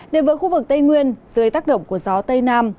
đề vợ khu vực tây nguyên dưới tác động của gió tây nam